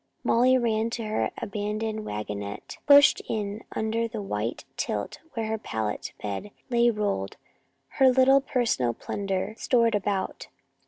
Molly ran to her abandoned wagonette, pushed in under the white tilt where her pallet bed lay rolled, her little personal plunder stored about.